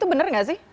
bener nggak sih